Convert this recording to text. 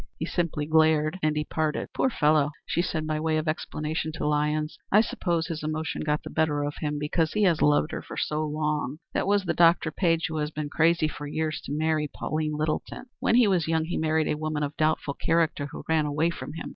He simply glared and departed. "Poor fellow," she said, by way of explanation to Lyons, "I suppose his emotion got the better of him, because he has loved her so long. That was the Dr. Page who has been crazy for years to marry Pauline Littleton. When he was young he married a woman of doubtful character, who ran away from him.